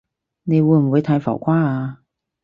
你會唔會太浮誇啊？